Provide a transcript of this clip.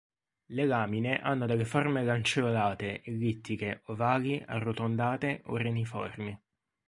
Le lamine hanno delle forme lanceolate, ellittiche, ovali, arrotondate o reniformi.